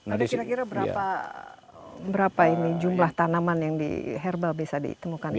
ada kira kira berapa ini jumlah tanaman yang di herbal bisa ditemukan di sini